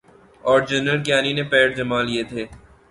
اورجنرل کیانی نے پیر جمالیے تھے۔